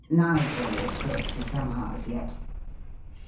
Nigel is good for some hours yet.